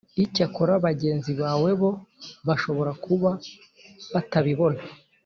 Icyakora bagenzi bawe bo bashobora kuba batabibona